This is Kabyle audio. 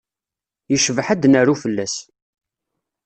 Yecbaḥ ad d-naru fell-as.